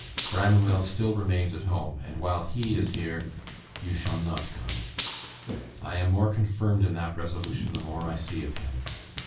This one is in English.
Branwell still remains at home; and while he is here, you shall not come. I am more confirmed in that resolution the more I see of him.